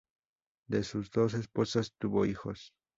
De sus dos esposas tuvo hijos.